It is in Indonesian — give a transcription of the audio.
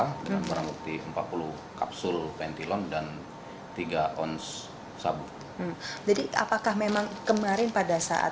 dengan barang bukti empat puluh kapsul pentilon dan tiga ons sabu jadi apakah memang kemarin pada saat